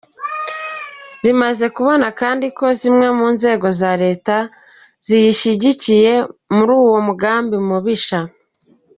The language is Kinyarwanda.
Rimaze kubona kandi ko zimwe mu nzego za Leta ziyishyigikiye muri uwo mugambi mubisha ;